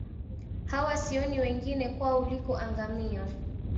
Hawa, sioni wengine, kwao liko angamiyo